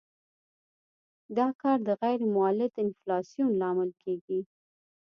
دا کار د غیر مولد انفلاسیون لامل کیږي.